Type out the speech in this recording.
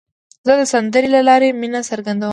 زه د سندرې له لارې مینه څرګندوم.